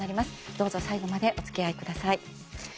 どうぞ最後までお付き合いください。